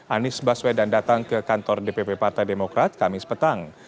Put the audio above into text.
anies baswedan datang ke kantor dpp partai demokrat kamis petang